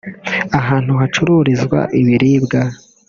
ahantu hacururizwa ibiribwa